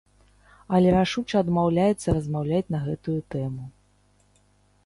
Але рашуча адмаўляецца размаўляць на гэтую тэму.